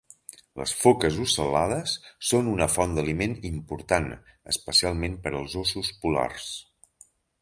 Les foques ocel·lades són una font d'aliment important, especialment per als ossos polars.